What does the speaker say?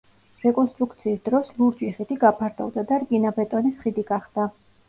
რეკონსტრუქციის დროს ლურჯი ხიდი გაფართოვდა და რკინაბეტონის ხიდი გახდა.